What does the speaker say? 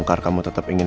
aku bercanda pandang